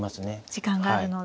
時間があるので。